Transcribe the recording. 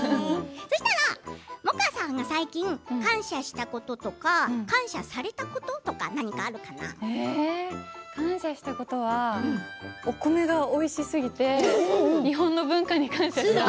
そうしたら萌歌さんが最近感謝したこととか感謝されたこととか何かあるかな。感謝したことはお米がおいしすぎて日本の文化に感謝した。